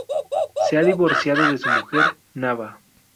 Se ha divorciado de su mujer, Nava.